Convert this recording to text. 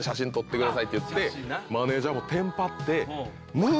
マネジャーもテンパって。